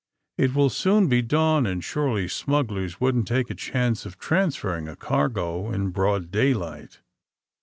^*It will soon be dawn and surely smugglers wouldn't take the chance of transferring a cargo in broad daylight.